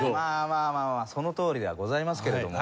まあまあそのとおりではございますけれども。